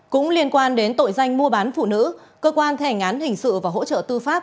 cũng liên quan đến tội danh mua bán phụ nữ cơ quan thẻ ngán hình sự và hỗ trợ tư pháp